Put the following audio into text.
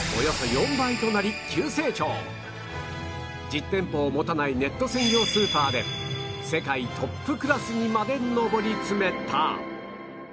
実店舗を持たないネット専用スーパーで世界トップクラスにまで上り詰めた